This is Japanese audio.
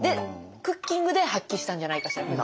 クッキングで発揮したんじゃないかしら。